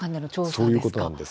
そういうことなんです。